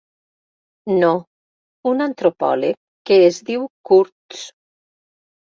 No, un antropòleg que es diu Kurtz.